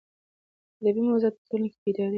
ادبي موضوعات په ټولنه کې بېداري راولي.